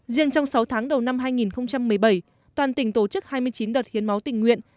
riêng trong sáu tháng đầu năm hai nghìn một mươi bảy toàn tỉnh tổ chức hai mươi chín đợt hiến máu tình nguyện